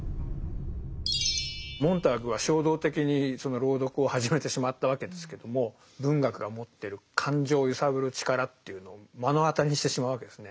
モンターグは衝動的にその朗読を始めてしまったわけですけども文学が持ってる感情を揺さぶる力というのを目の当たりにしてしまうわけですね。